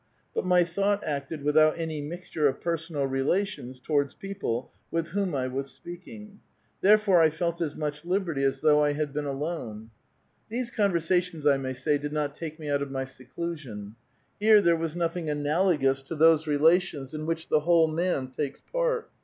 Bnt my thought acted without any mixture of pei*sonal relations towards people with whom l was speaking ; therefore I felt as much liberty as though I A VITAL QUESTION. 325 had been ftlone. These conversations, I may say, did not take me out of my seclusion. Here there was notbing anal ogous to those relations in wliich the whole man takes part.